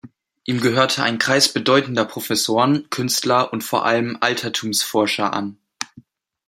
Ihm gehörte ein Kreis bedeutender Professoren, Künstler und vor allem Altertumsforscher an.